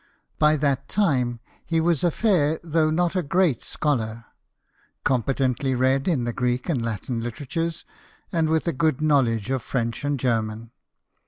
By that time, he was a fair though not a great scholar, competently read in the Greek and Latin literatures, and with a good know ledge of French and German.